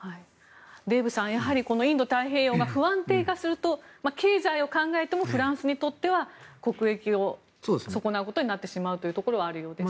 デーブさんインド太平洋が不安定化すると経済を考えてもフランスにとっては国益を損なうことになってしまうところはあるようです。